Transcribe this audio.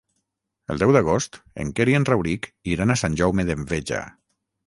El deu d'agost en Quer i en Rauric iran a Sant Jaume d'Enveja.